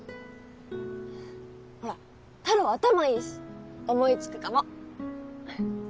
ほらたろー頭いいし思い付くかも！